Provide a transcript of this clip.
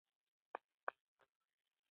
انسان ارزښتمن موجود دی .